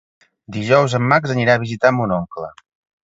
Dijous en Max anirà a visitar mon oncle.